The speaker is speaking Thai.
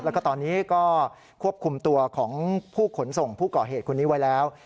แล้วก็ตอนนี้ก็ควบคุมตัวของผู้ขนส่งผู้ก่อเหตุคนนี้ไว้แล้ว